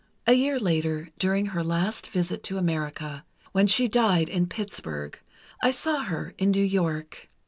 A year later, during her last visit to America—when she died in Pittsburgh—I saw her, in New York.